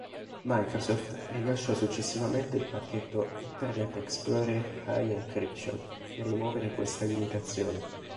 Microsoft rilasciò successivamente il pacchetto Internet Explorer High Encryption per rimuovere questa limitazione.